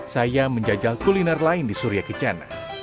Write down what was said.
saya menjajal kuliner lain di surya kencana